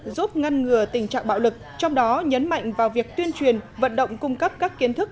giúp ngăn ngừa tình trạng bạo lực trong đó nhấn mạnh vào việc tuyên truyền vận động cung cấp các kiến thức